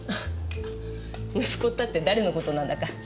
息子ったって誰のことなんだか。